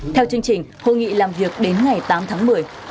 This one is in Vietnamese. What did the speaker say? theo chương trình hội nghị làm việc đến ngày tám tháng một mươi